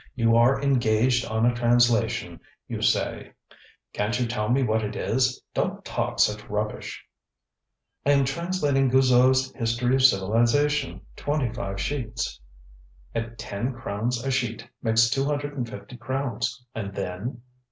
You are engaged on a translation, you say; canŌĆÖt you tell me what it is? DonŌĆÖt talk such rubbish! ŌĆØ ŌĆ£I am translating GuizotŌĆÖs History of Civilisation, twenty five sheets. ŌĆØ ŌĆ£At ten crowns a sheet makes two hundred and fifty crowns. And then?